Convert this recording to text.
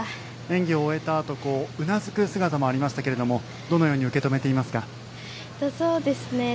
演技を終えたあとうなずく姿もありましたけどもどのように受け止めていますか？